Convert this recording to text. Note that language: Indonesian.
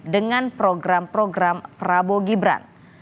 dengan program program prabowo gibran